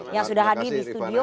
yang sudah hadir di studio